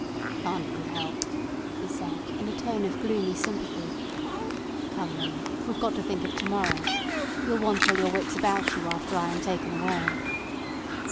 "Can't be helped," he said in a tone of gloomy sympathy. "Come, Winnie, we've got to think of to morrow. You'll want all your wits about you after I am taken away."